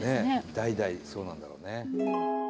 代々そうなんだろうね。